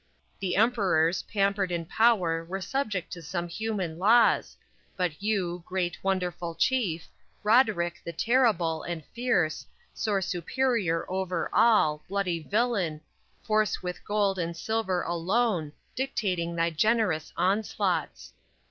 The emperors, pampered in power Were subject to some human laws, But you, great, wonderful chief, Roderick, the Terrible, and fierce Soar superior over all, bloody villain, Force with gold and silver alone Dictating thy generous onslaughts!